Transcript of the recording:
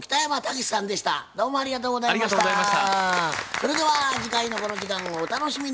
それでは次回のこの時間をお楽しみに。